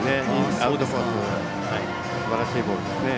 アウトコースのすばらしいボールですね。